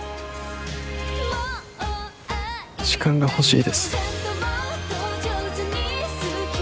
時間が欲しいです